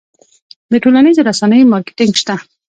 د ټولنیزو رسنیو مارکیټینګ شته؟